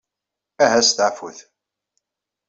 Aha steɛfut.